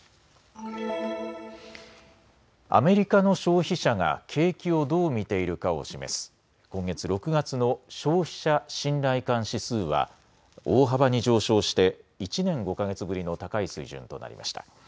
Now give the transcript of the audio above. アメリカの消費者が景気をどう見ているかを示す今月６月の消費者信頼感指数は大幅に上昇して１年５か月ぶりの高い水準となりました。